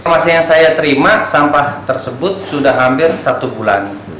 informasi yang saya terima sampah tersebut sudah hampir satu bulan